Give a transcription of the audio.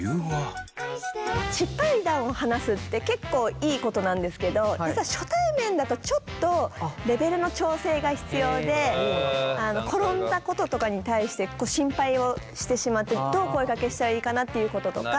失敗談を話すって結構いいことなんですけど実は初対面だとちょっとレベルの調整が必要で転んだこととかに対して心配をしてしまってどう声かけしたらいいかなっていうこととか。